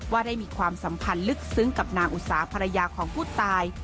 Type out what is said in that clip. ว่าได้มีความสัมพันธ์ลึกซึ้งกับนางอุตสาภรรยาของผู้ตาย